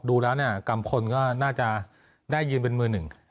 ดูแล้วเนี่ยกัมพลก็น่าจะได้ยืนเป็นมือหนึ่ง